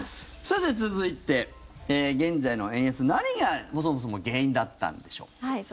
さて、続いて現在の円安何がそもそも原因だったんでしょう。